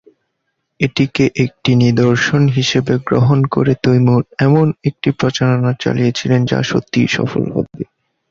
এটিকে একটি নিদর্শন হিসেবে গ্রহণ করে তৈমুর এমন একটি প্রচারণা চালিয়েছিলেন যা সত্যিই সফল হবে।